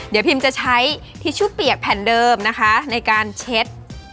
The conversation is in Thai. เดี๋ยวพิมจะใช้ทิชชู่เปียกแผ่นเดิมนะคะในการเช็ด